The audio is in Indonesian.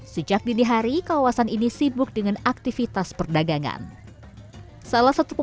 sederhana namun tetap nikmat